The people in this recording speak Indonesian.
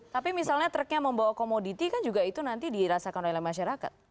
tapi misalnya truknya membawa komoditi kan juga itu nanti dirasakan oleh masyarakat